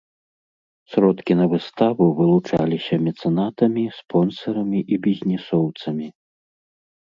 Сродкі на выставу вылучаліся мецэнатамі, спонсарамі і бізнесоўцамі.